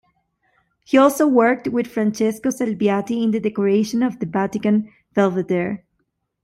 He also worked with Francesco Salviati in the decoration of the Vatican Belvedere.